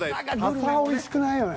笹おいしくないよね。